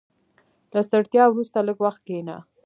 • له ستړیا وروسته، لږ وخت کښېنه.